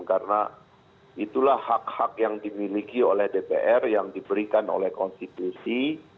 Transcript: karena itulah hak hak yang dimiliki oleh dpr yang diberikan oleh konstitusi